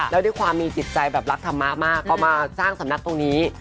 แล้วด้วยความมีจิตใจแบบรักธรรมะมากก็มาสร้างสำนักตรงนี้